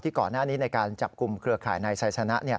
ก่อนหน้านี้ในการจับกลุ่มเครือข่ายนายไซสนะ